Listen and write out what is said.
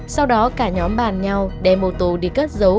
sau đó cả nhóm bàn nhau đem mô tô đi cất giấu